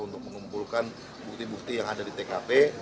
untuk mengumpulkan bukti bukti yang ada di tkp